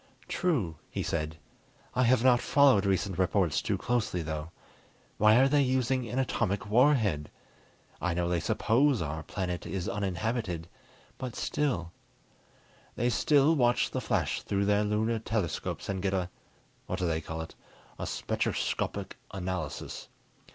"True," he said. "I have not followed recent reports too closely, though. Why are they using an atomic warhead? I know they suppose our planet is uninhabited, but still " "They will watch the flash through their lunar telescopes and get a what do they call it? a spectroscopic analysis.